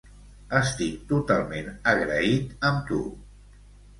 Estic totalment agraït amb tu.